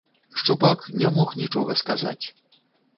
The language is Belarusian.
Шчупак не мог нічога сказаць.